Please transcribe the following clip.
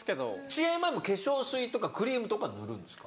試合前も化粧水とかクリームとかは塗るんですか？